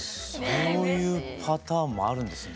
そういうパターンもあるんですね。